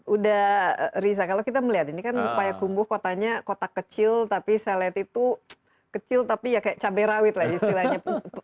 udah riza kalau kita melihat ini kan payakumbuh kotanya kota kecil tapi saya lihat itu kecil tapi ya kayak cabai rawit lah istilahnya